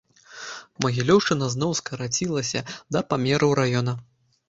Магілёўшчына зноў скарацілася да памераў раёна.